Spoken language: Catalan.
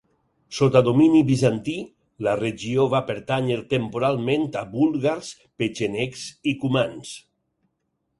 Sota domini bizantí, la regió va pertànyer temporalment a búlgars, petxenegs i cumans.